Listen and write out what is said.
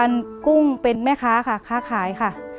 เปลี่ยนเพลงเพลงเก่งของคุณและข้ามผิดได้๑คำ